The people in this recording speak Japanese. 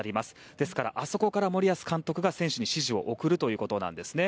ですからあそこから森保監督が選手に指示を送るということです。